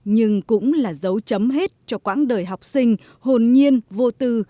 nhưng cũng là dấu chấm hết cho quãng đời học sinh hồn nhiên vô tư